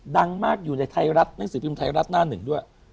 ดังมากอยู่ในไทยรัฐหนังสือพิมพ์ไทยรัฐหน้าหนึ่งด้วย